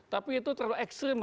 tapi itu terlalu ekstrim